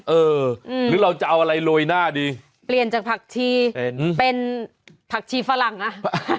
เออหรือเราจะเอาอะไรโรยหน้าดีเปลี่ยนจากผักชีเห็นเป็นผักชีฝรั่งอ่ะ